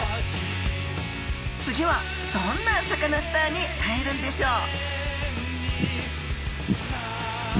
次はどんなサカナスターに会えるんでしょう